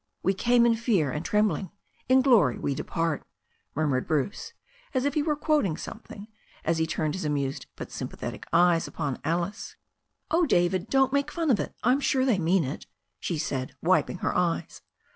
"We came in fear and trembling; in glory we depart," murmured Bruce, as if he were quoting something, as he turned his amused but sympathetic eyes upon Alice. "Oh, David, don't make fun of it. I'm sure they mean it," she said, wiping her eyes.